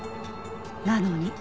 なのに。